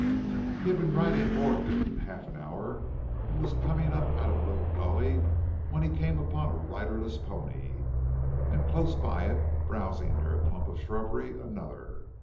He had been riding more than half an hour, and was coming up out of a little gully when he came upon a riderless pony, and close by it, browsing near a clump of shrubbery, another.